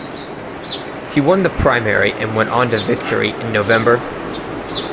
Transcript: He won the primary and went on to victory in November.